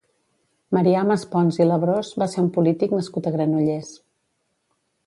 Marià Maspons i Labrós va ser un polític nascut a Granollers.